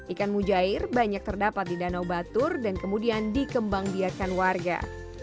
ikan mujair banyak terdapat di danau batur dan kemudian dikembang biarkan warga